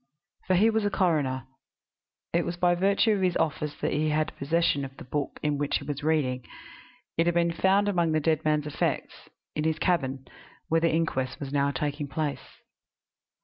For he was a coroner. It was by virtue of his office that he had possession of the book in which he was reading; it had been found among the dead man's effects in his cabin, where the inquest was now taking place.